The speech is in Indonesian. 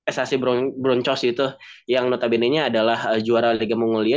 xac broncos itu yang notabene nya adalah juara liga mongolia